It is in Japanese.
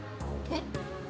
えっ？